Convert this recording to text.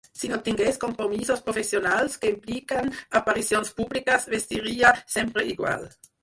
Si no tingués compromisos professionals que impliquen aparicions públiques vestiria sempre igual.